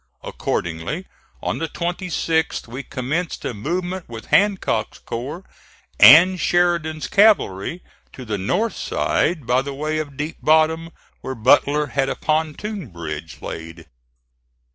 Accordingly, on the 26th, we commenced a movement with Hancock's corps and Sheridan's cavalry to the north side by the way of Deep Bottom, where Butler had a pontoon bridge laid.